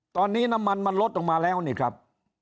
ตอนนี้น้ำมันมันลดลงมาแล้วนี่ครับ